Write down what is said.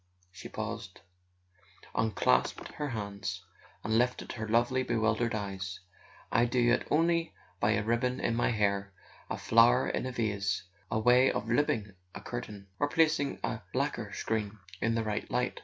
." she paused, unclasped her hands, and lifted her lovely bewildered eyes, "I do it only by a ribbon in my hair, a flower in a vase, a way of looping a curtain, or placing a lacquer screen in the right light.